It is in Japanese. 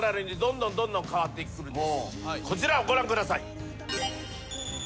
こちらをご覧ください。